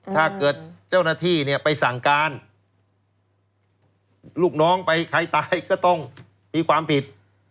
ถ้าเกิดเจ้าหน้าที่เนี่ยไปสั่งการลูกน้องไปใครตายก็ต้องมีความผิด